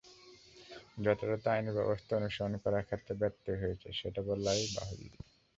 যথাযথ আইনি ব্যবস্থা অনুসরণ করার ক্ষেত্রে ব্যত্যয় হয়েছে, সেটা বলাই বাহুল্য।